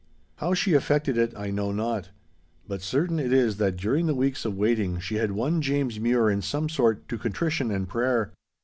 How she effected it I know not; but certain it is that during the weeks of waiting she had won James Mure in some sort to contrition and prayer.